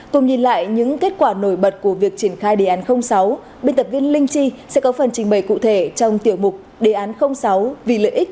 tùm nhìn lại những kết quả nổi bật của việc triển khai đề án sáu biên tập viên linh chi sẽ có phần trình bày cụ thể trong tiểu mục đề án sáu vì lợi ích của